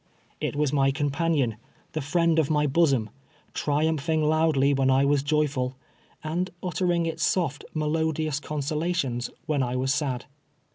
It was my companion — the friend of my bosom — triumph ing loudly when I was joyful, and uttering its soft, melodious consolations when I was sad.